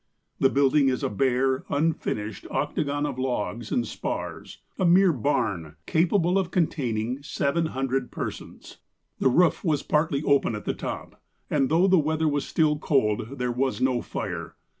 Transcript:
"The building is a bare, unfinished octagon of logs and spars — a mere barn — capable of containing seven hundred per sons. The roof was partly open at the top, and though the weather was still cold, there was no fire.